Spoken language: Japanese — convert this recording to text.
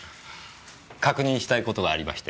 確認したい事がありまして。